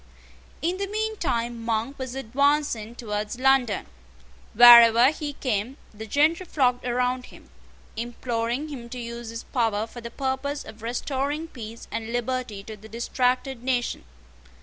In the mean time Monk was advancing towards London. Wherever he came, the gentry flocked round him, imploring him to use his power for the purpose of restoring peace and liberty to the distracted nation.